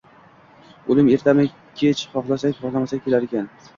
Oʻlim ertami kech xohlasak xohlamasak kelar ekan.